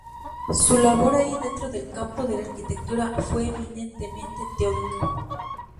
Su labor allí dentro del campo de la arquitectura fue eminentemente teórica.